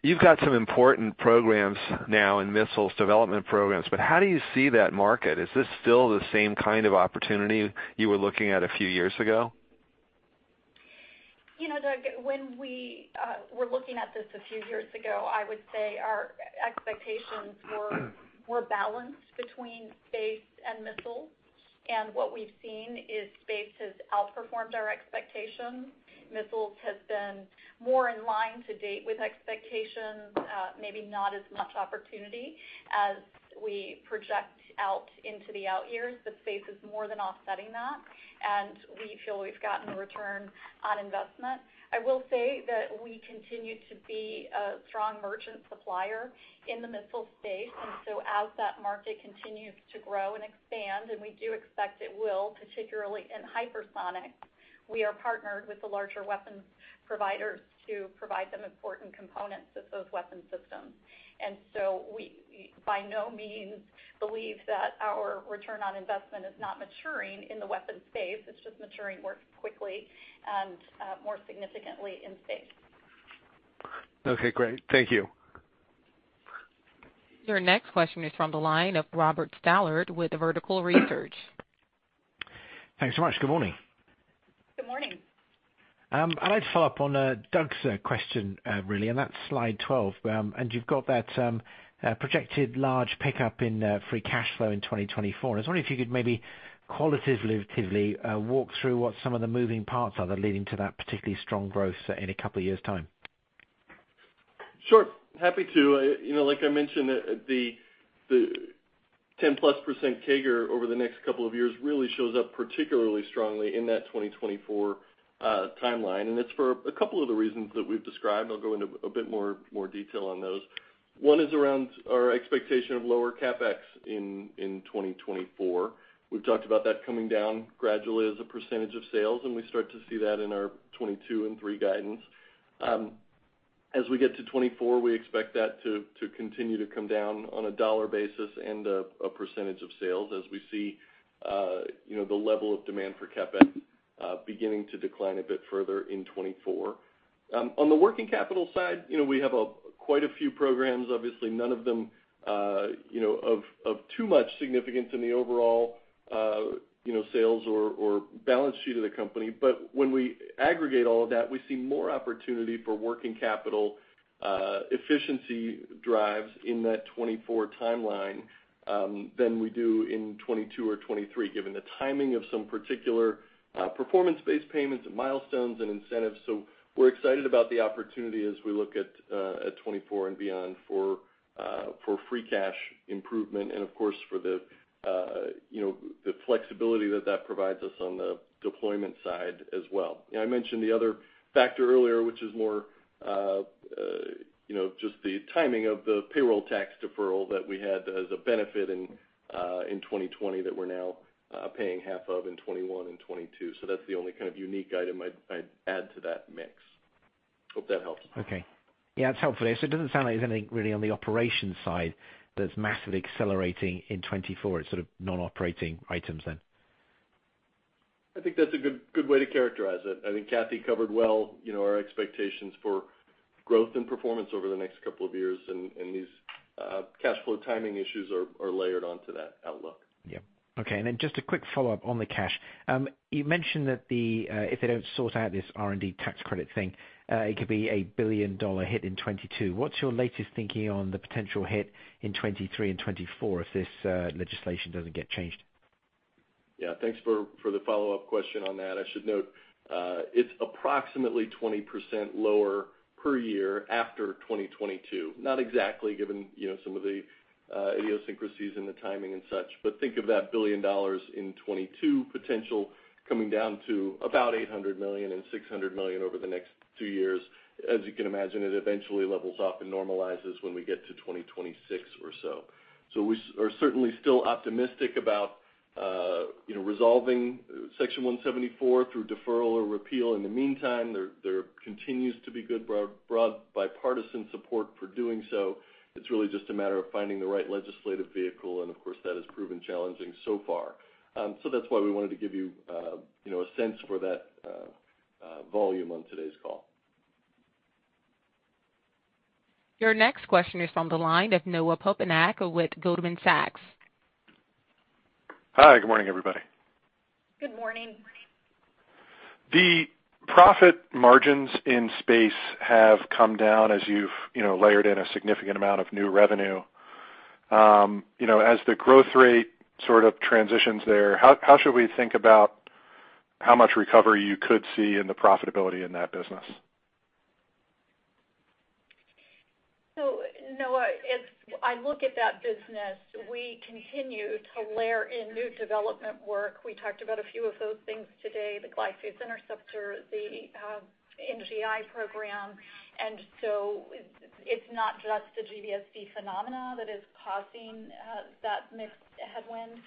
Speaker 9: You've got some important programs now in missiles development programs, but how do you see that market? Is this still the same kind of opportunity you were looking at a few years ago?
Speaker 3: You know, Doug, when we were looking at this a few years ago, I would say our expectations were balanced between space and missiles. What we've seen is space has outperformed our expectations. Missiles has been more in line to date with expectations, maybe not as much opportunity as we project out into the out years, but space is more than offsetting that, and we feel we've gotten a return on investment. I will say that we continue to be a strong merchant supplier in the missile space, and so as that market continues to grow and expand, and we do expect it will, particularly in hypersonic, we are partnered with the larger weapons providers to provide them important components of those weapon systems. We by no means believe that our return on investment is not maturing in the weapon space. It's just maturing more quickly and, more significantly in space.
Speaker 4: Okay, great. Thank you.
Speaker 1: Your next question is from the line of Robert Stallard with Vertical Research.
Speaker 10: Thanks so much. Good morning.
Speaker 3: Good morning.
Speaker 10: I'd like to follow up on Doug's question, really, and that's slide 12. You've got that projected large pickup in free cash flow in 2024. I was wondering if you could maybe qualitatively walk through what some of the moving parts are that are leading to that particularly strong growth in a couple of years' time.
Speaker 4: Sure, happy to. You know, like I mentioned, the 10%+ CAGR over the next couple of years really shows up particularly strongly in that 2024 timeline, and it's for a couple of the reasons that we've described. I'll go into a bit more detail on those. One is around our expectation of lower CapEx in 2024. We've talked about that coming down gradually as a percentage of sales, and we start to see that in our 2022 and 2023 guidance. As we get to 2024, we expect that to continue to come down on a dollar basis and a percentage of sales as we see, you know, the level of demand for CapEx beginning to decline a bit further in 2024. On the working capital side, you know, we have quite a few programs, obviously none of them, you know, of too much significance in the overall, you know, sales or balance sheet of the company. when we aggregate all of that, we see more opportunity for working capital efficiency drives in that 2024 timeline, than we do in 2022 or 2023, given the timing of some particular, performance-based payments and milestones and incentives. We're excited about the opportunity as we look at 2024 and beyond for free cash improvement and, of course, for the, you know, the flexibility that that provides us on the deployment side as well. I mentioned the other factor earlier, which is more, you know, just the timing of the payroll tax deferral that we had as a benefit in 2020 that we're now paying half of in 2021 and 2022. That's the only kind of unique item I'd add to that mix. Hope that helps.
Speaker 10: Okay. Yeah, it's helpful. It doesn't sound like there's anything really on the operations side that's massively accelerating in 2024. It's sort of non-operating items then.
Speaker 4: I think that's a good way to characterize it. I think Kathy covered well, you know, our expectations for growth and performance over the next couple of years. These cash flow timing issues are layered onto that outlook.
Speaker 10: Yeah. Okay. Just a quick follow-up on the cash. You mentioned that if they don't sort out this R&D tax credit thing, it could be a billion-dollar hit in 2022. What's your latest thinking on the potential hit in 2023 and 2024 if this legislation doesn't get changed?
Speaker 4: Yeah. Thanks for the follow-up question on that. I should note, it's approximately 20% lower per year after 2022. Not exactly given, you know, some of the idiosyncrasies in the timing and such. Think of that $1 billion in 2022 potential coming down to about $800 million and $600 million over the next two years. As you can imagine, it eventually levels off and normalizes when we get to 2026 or so. We are certainly still optimistic about, you know, resolving Section 174 through deferral or repeal. In the meantime, there continues to be good broad bipartisan support for doing so. It's really just a matter of finding the right legislative vehicle, and of course, that has proven challenging so far. That's why we wanted to give you know, a sense for that, volume on today's call.
Speaker 1: Your next question is from the line of Noah Poponak with Goldman Sachs.
Speaker 11: Hi, good morning, everybody.
Speaker 3: Good morning.
Speaker 11: The profit margins in Space have come down as you've, you know, layered in a significant amount of new revenue. You know, as the growth rate sort of transitions there, how should we think about how much recovery you could see in the profitability in that business?
Speaker 3: Noah, as I look at that business, we continue to layer in new development work. We talked about a few of those things today, the Glide Phase Interceptor, the NGI program. It's not just the GBSD phenomenon that is causing that margin headwind.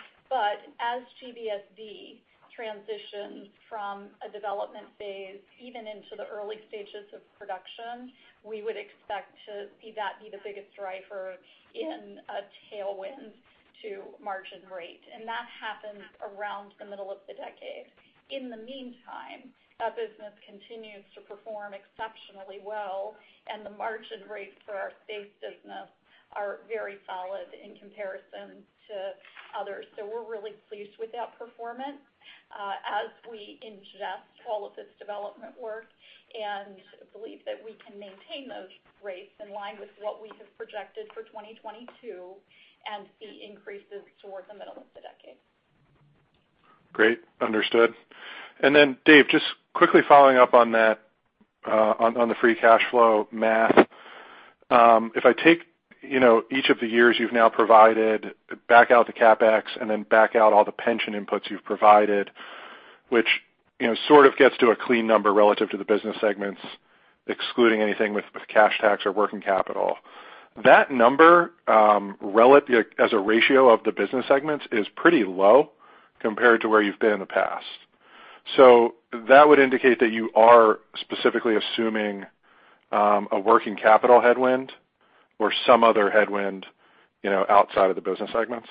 Speaker 3: As GBSD transitions from a development phase, even into the early stages of production, we would expect to see that be the biggest driver in a tailwind to margin rate. That happens around the middle of the decade. In the meantime, that business continues to perform exceptionally well, and the margin rates for our Space business are very solid in comparison to others. We're really pleased with that performance, as we ingest all of this development work and believe that we can maintain those rates in line with what we have projected for 2022 and see increases towards the middle of the decade.
Speaker 11: Great. Understood. Then Dave, just quickly following up on that, on the free cash flow math. If I take, you know, each of the years you've now provided back out the CapEx and then back out all the pension inputs you've provided, which, you know, sort of gets to a clean number relative to the business segments, excluding anything with cash tax or working capital. That number, as a ratio of the business segments is pretty low compared to where you've been in the past. That would indicate that you are specifically assuming a working capital headwind or some other headwind, you know, outside of the business segments.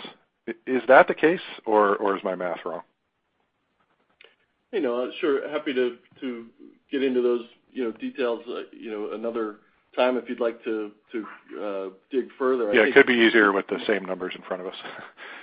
Speaker 11: Is that the case, or is my math wrong?
Speaker 4: Hey, Noah. Sure. Happy to get into those, you know, details, you know, another time if you'd like to dig further.
Speaker 11: Yeah. It could be easier with the same numbers in front of us.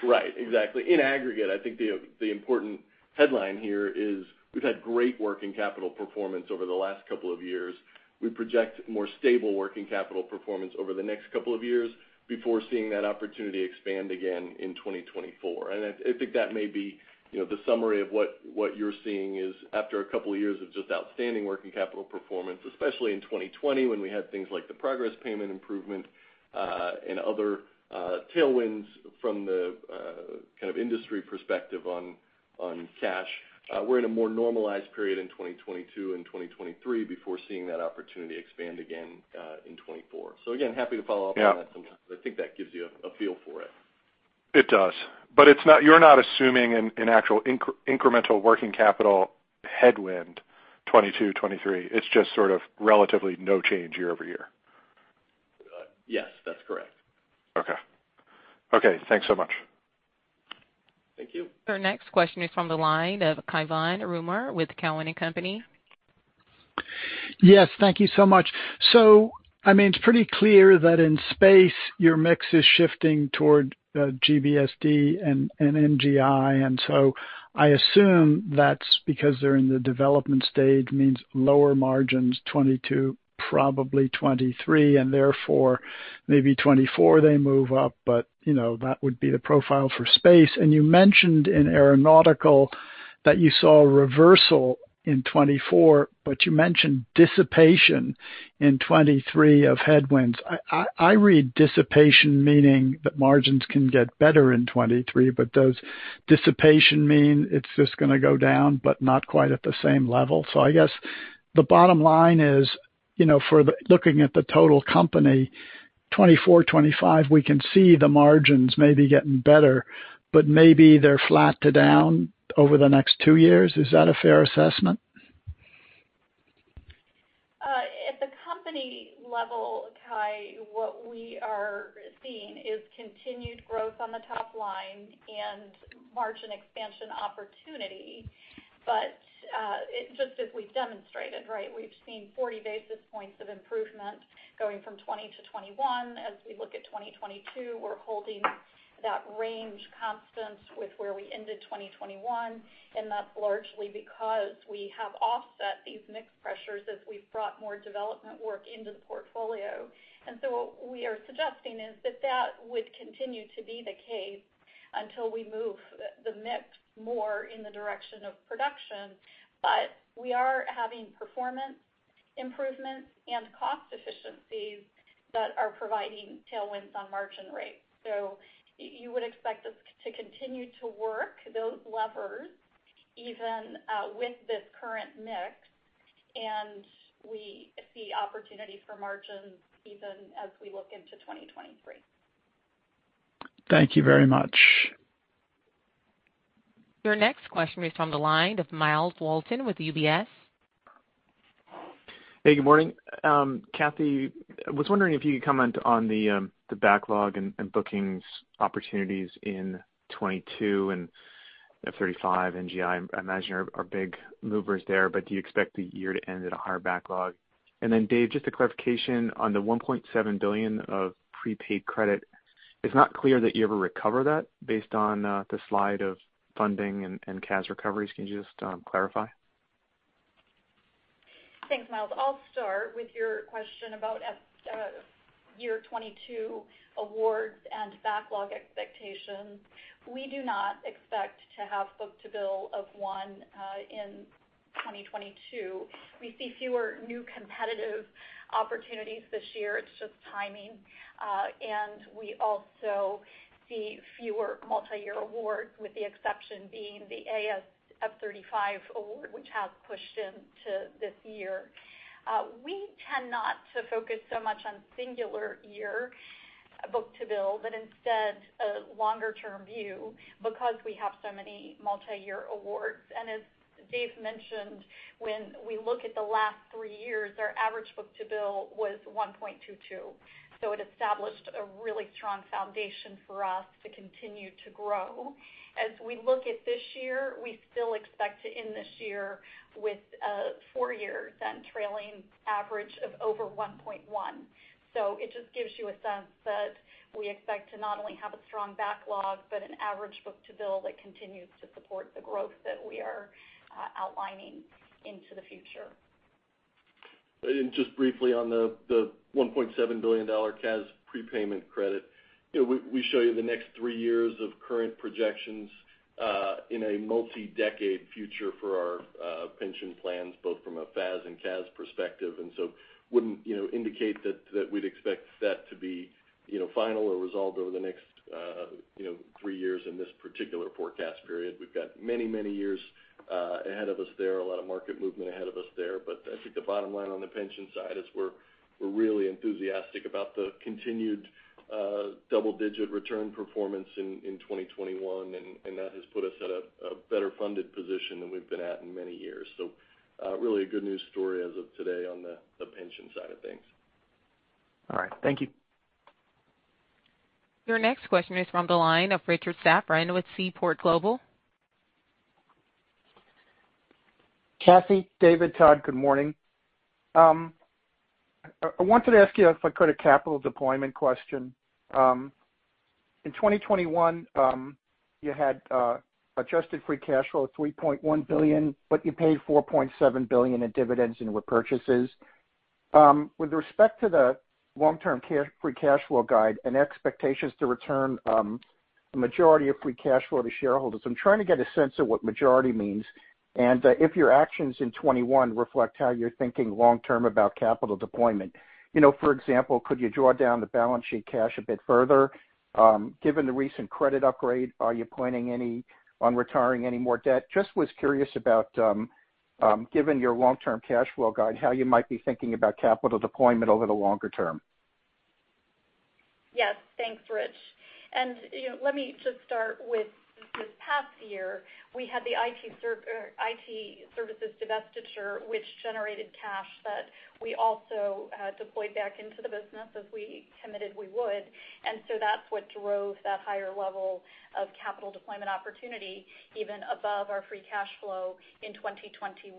Speaker 4: Right. Exactly. In aggregate, I think the important headline here is we've had great working capital performance over the last couple of years. We project more stable working capital performance over the next couple of years before seeing that opportunity expand again in 2024. I think that may be, you know, the summary of what you're seeing is after a couple of years of just outstanding working capital performance, especially in 2020 when we had things like the progress payment improvement, and other tailwinds from the kind of industry perspective on cash. We're in a more normalized period in 2022 and 2023 before seeing that opportunity expand again in 2024. Again, happy to follow up on that sometime.
Speaker 11: Yeah.
Speaker 4: I think that gives you a feel for it.
Speaker 11: It does. It's not. You're not assuming an actual incremental working capital headwind 2022, 2023. It's just sort of relatively no change year-over-year.
Speaker 4: Yes, that's correct.
Speaker 11: Okay, thanks so much.
Speaker 4: Thank you.
Speaker 1: Our next question is from the line of Cai von Rumohr with Cowen and Company.
Speaker 12: Yes. Thank you so much. I mean, it's pretty clear that in Space, your mix is shifting toward GBSD and NGI. I assume that's because they're in the development stage, means lower margins, 2022, probably 2023, and therefore maybe 2024 they move up. You know, that would be the profile for Space. You mentioned in Aeronautics that you saw a reversal in 2024, but you mentioned dissipation in 2023 of headwinds. I read dissipation meaning that margins can get better in 2023, but does dissipation mean it's just gonna go down but not quite at the same level? I guess the bottom line is, you know, looking at the total company, 2024, 2025, we can see the margins maybe getting better, but maybe they're flat to down over the next two years. Is that a fair assessment?
Speaker 3: At the company level, Cai, what we are seeing is continued growth on the top line and margin expansion opportunity. Just as we've demonstrated, right? We've seen 40 basis points of improvement going from 2020 to 2021. As we look at 2022, we're holding that range constant with where we ended 2021, and that's largely because we have offset these mix pressures as we've brought more development work into the portfolio. What we are suggesting is that that would continue to be the case until we move the mix more in the direction of production. We are having performance improvements and cost efficiencies that are providing tailwinds on margin rates. You would expect us to continue to work those levers even with this current mix, and we see opportunity for margins even as we look into 2023.
Speaker 12: Thank you very much.
Speaker 1: Your next question is from the line of Myles Walton with UBS.
Speaker 13: Hey, good morning. Kathy, I was wondering if you could comment on the backlog and bookings opportunities in 2022. F-35, NGI, I imagine, are big movers there, but do you expect the year to end at a higher backlog? Dave, just a clarification on the $1.7 billion of prepaid credit. It's not clear that you ever recover that based on the slide of funding and CAS recoveries. Can you just clarify?
Speaker 3: Thanks, Myles. I'll start with your question about FY '22 awards and backlog expectations. We do not expect to have book-to-bill of one in 2022. We see fewer new competitive opportunities this year. It's just timing. We also see fewer multiyear awards, with the exception being the AS F-35 award, which has pushed into this year. We tend not to focus so much on singular year book-to-bill, but instead a longer term view because we have so many multiyear awards. As Dave mentioned, when we look at the last three years, our average book-to-bill was 1.22. It established a really strong foundation for us to continue to grow. As we look at this year, we still expect to end this year with a four-year trailing average of over 1.1. It just gives you a sense that we expect to not only have a strong backlog, but an average book-to-bill that continues to support the growth that we are outlining into the future.
Speaker 4: Just briefly on the $1.7 billion CAS prepayment credit. You know, we show you the next three years of current projections in a multi-decade future for our pension plans, both from a FAS and CAS perspective. That wouldn't, you know, indicate that we'd expect that to be, you know, final or resolved over the next, you know, three years in this particular forecast period. We've got many years ahead of us there, a lot of market movement ahead of us there. But I think the bottom line on the pension side is we're really enthusiastic about the continued double digit return performance in 2021, and that has put us at a better funded position than we've been at in many years. Really a good news story as of today on the pension side of things.
Speaker 13: All right. Thank you.
Speaker 1: Your next question is from the line of Richard Safran with Seaport Global.
Speaker 14: Kathy, Dave, Todd, good morning. I wanted to ask you a credit capital deployment question. In 2021, you had adjusted free cash flow of $3.1 billion, but you paid $4.7 billion in dividends and repurchases. With respect to the long-term free cash flow guide and expectations to return a majority of free cash flow to shareholders, I'm trying to get a sense of what majority means and if your actions in 2021 reflect how you're thinking long term about capital deployment. You know, for example, could you draw down the balance sheet cash a bit further? Given the recent credit upgrade, are you planning any on retiring any more debt? I was just curious about, given your long-term cash flow guide, how you might be thinking about capital deployment over the longer term.
Speaker 3: Yes. Thanks, Rich. You know, let me just start with this past year. We had the IT services divestiture which generated cash that we also deployed back into the business as we committed we would. That's what drove that higher level of capital deployment opportunity even above our free cash flow in 2021.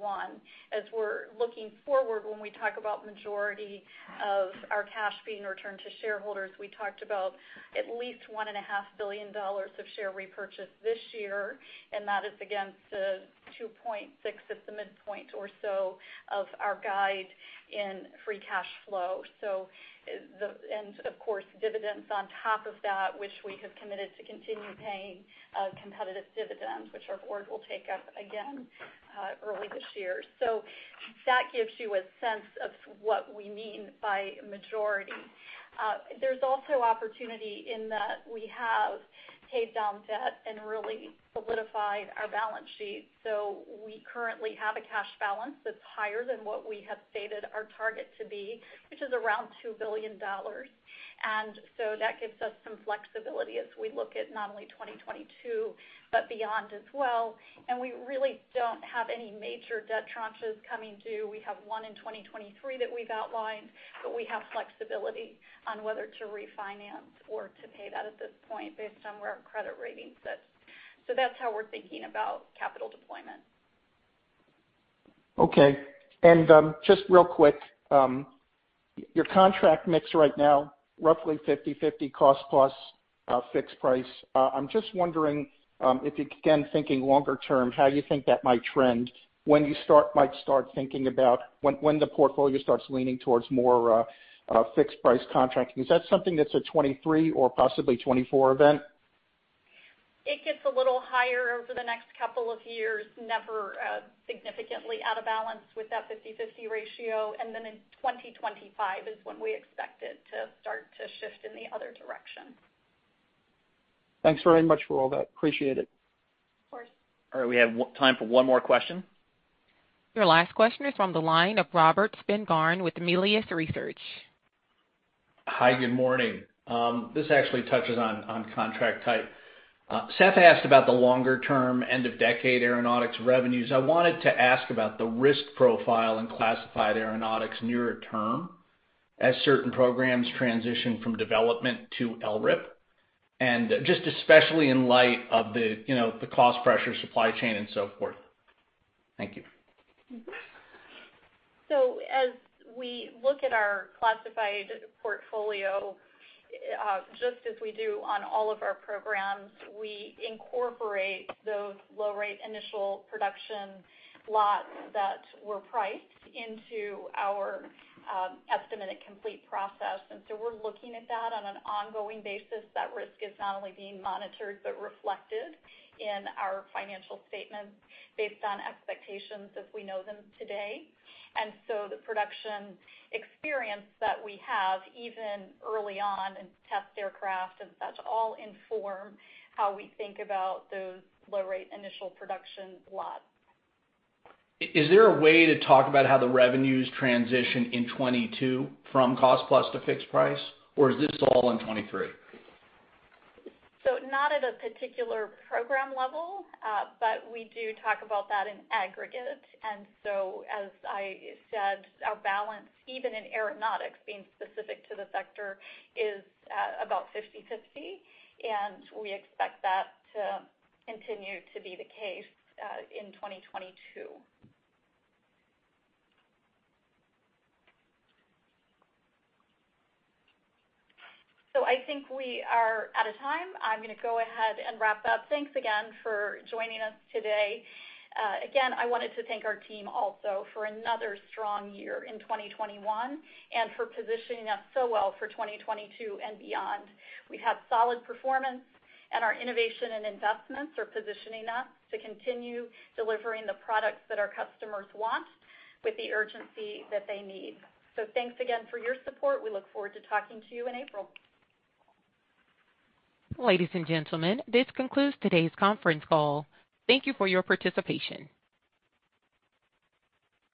Speaker 3: As we're looking forward when we talk about majority of our cash being returned to shareholders, we talked about at least $1.5 billion of share repurchase this year, and that is against 2.6 at the midpoint or so of our guide in free cash flow. And of course, dividends on top of that which we have committed to continue paying competitive dividends, which our board will take up again early this year. That gives you a sense of what we mean by majority. There's also opportunity in that we have paid down debt and really solidified our balance sheet. We currently have a cash balance that's higher than what we have stated our target to be, which is around $2 billion. That gives us some flexibility as we look at not only 2022, but beyond as well. We really don't have any major debt tranches coming due. We have one in 2023 that we've outlined, but we have flexibility on whether to refinance or to pay that at this point based on where our credit rating sits. That's how we're thinking about capital deployment.
Speaker 14: Okay. Just real quick, your contract mix right now, roughly 50/50 cost plus, fixed price. I'm just wondering, if you begin thinking longer term, how you think that might trend might start thinking about when the portfolio starts leaning towards more fixed price contracting. Is that something that's a 2023 or possibly 2024 event?
Speaker 3: It gets a little higher over the next couple of years, never significantly out of balance with that 50/50 ratio. Then in 2025 is when we expect it to start to shift in the other direction.
Speaker 14: Thanks very much for all that. Appreciate it.
Speaker 3: Of course.
Speaker 2: All right, we have time for one more question.
Speaker 1: Your last question is from the line of Robert Spingarn with Melius Research.
Speaker 15: Hi, good morning. This actually touches on contract type. Seth asked about the longer term end of decade Aeronautics revenues. I wanted to ask about the risk profile in classified Aeronautics nearer term as certain programs transition from development to LRIP. Just especially in light of the, you know, the cost pressure, supply chain and so forth. Thank you.
Speaker 3: As we look at our classified portfolio, just as we do on all of our programs, we incorporate those low rate initial production lots that were priced into our estimate at complete process. We're looking at that on an ongoing basis. That risk is not only being monitored but reflected in our financial statements based on expectations as we know them today. The production experience that we have, even early on in test aircraft, and that's all informed how we think about those low rate initial production lots.
Speaker 15: Is there a way to talk about how the revenues transition in 2022 from cost-plus to fixed price, or is this all in 2023?
Speaker 3: Not at a particular program level, but we do talk about that in aggregate. As I said, our balance, even in Aeronautics, being specific to the sector, is about 50/50, and we expect that to continue to be the case in 2022. I think we are out of time. I'm gonna go ahead and wrap up. Thanks again for joining us today. Again, I wanted to thank our team also for another strong year in 2021 and for positioning us so well for 2022 and beyond. We have solid performance, and our innovation and investments are positioning us to continue delivering the products that our customers want with the urgency that they need. Thanks again for your support. We look forward to talking to you in April.
Speaker 1: Ladies and gentlemen, this concludes today's conference call. Thank you for your participation.